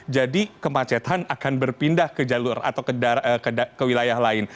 jadi kemacetan akan berpindah ke jalur atau ke wilayah lain